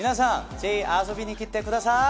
ぜひ遊びに来てください！